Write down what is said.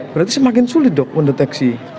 berarti semakin sulit dok mendeteksi